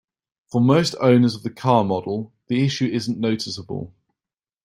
For most owners of the car model, the issue isn't noticeable.